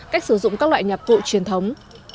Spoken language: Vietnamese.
cách sử dụng các loại nhạc cụ truyền thống